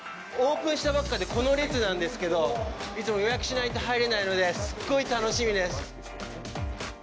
オープンしたばっかで、この列なんですけど、いつも予約しないと入れないのですごい楽しみです。